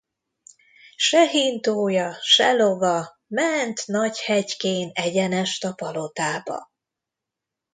Se hintója, se lova, ment nagy hetykén egyenest a palotába.